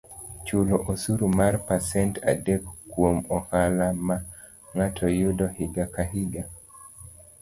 Chulo osuru mar pasent adek kuom ohala ma ng'ato yudo higa ka higa,